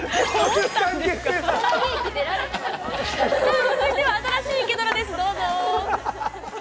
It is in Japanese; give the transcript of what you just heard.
◆続いては新しい「イケドラ」です、どうぞ。